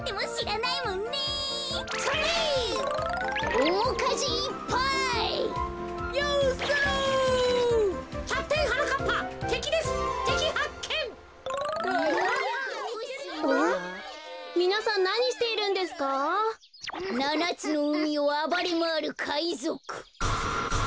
ななつのうみをあばれまわるかいぞく